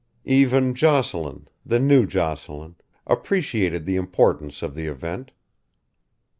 Even Jocelyn, the new Jocelyn, appreciated the importance of the event.